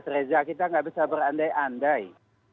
sebenarnya dengan tereza kita tidak bisa berandai andai